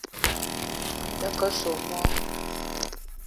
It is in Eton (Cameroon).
Me ta ke soo moo